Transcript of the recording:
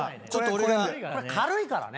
これ軽いからね。